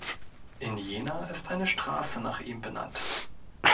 In Jena ist eine Straße nach ihm benannt.